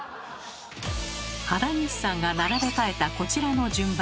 原西さんが並べ替えたこちらの順番。